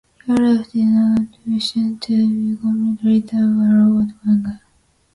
He left it unfinished, to be completed later by Robert Wagner.